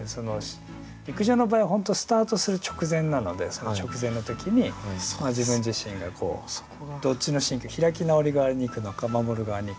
陸上の場合は本当スタートする直前なのでその直前の時に自分自身がどっちの心境開き直り側にいくのか守る側にいくのか。